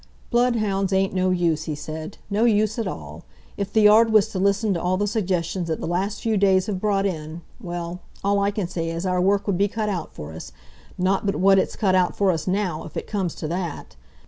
"Bloodhounds ain't no use," he said; "no use at all! If the Yard was to listen to all the suggestions that the last few days have brought in—well, all I can say is our work would be cut out for us—not but what it's cut out for us now, if it comes to that!"